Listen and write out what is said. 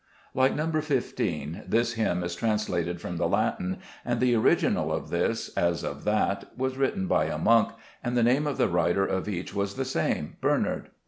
Like No. 15, this hymn is translated from the Latin, and the original of this, as of that, was written by a monk, and the name of the writer of each was the same, — Bernard.